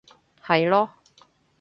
係囉